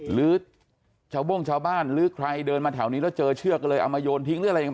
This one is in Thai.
หรือชาวโบ้งชาวบ้านหรือใครเดินมาแถวนี้แล้วเจอเชือกก็เลยเอามาโยนทิ้งหรืออะไรยังไง